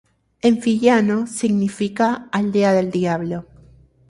En fiyiano significa "Aldea del Diablo".